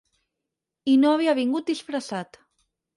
I no havia vingut disfressat.